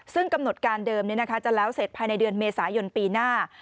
ซึ่งกำหนดการเดิมจะแล้วเสร็จภายในเดือนเมษายนปีหน้า